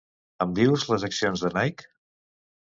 Em dius les accions de Nike?